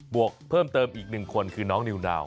วกเพิ่มเติมอีก๑คนคือน้องนิวนาว